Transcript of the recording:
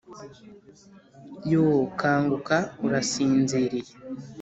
yoo kanguka urasinziriye